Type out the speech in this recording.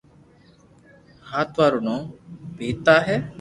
ھاتوا رو نوم ببتا ھي